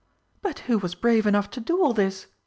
"But who was brave enough to do all this?"